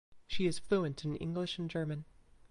She is fluent in English and German.